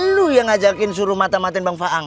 lo yang ngajakin suruh mata matiin bang faang